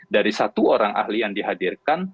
dari satu orang ahli yang dihadirkan